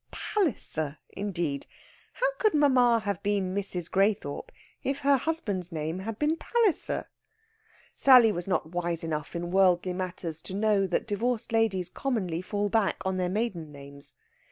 Palliser indeed! How could mamma have been Mrs. Graythorpe if her husband's name had been Palliser? Sally was not wise enough in worldly matters to know that divorced ladies commonly fall back on their maiden names.